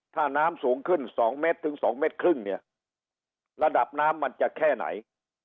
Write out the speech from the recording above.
ถ้าน้ำสูงขึ้น๒๒๕เมตรระดับน้ำมันจะแค่ไหน